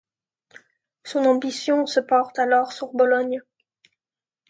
Son ambition se porte alors sur Bologne.